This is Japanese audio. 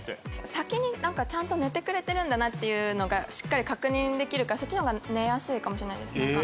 先にちゃんと寝てくれてるんだなっていうのがしっかり確認できるからそっちの方が寝やすいかもしれないです。